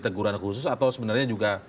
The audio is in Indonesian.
teguran khusus atau sebenarnya juga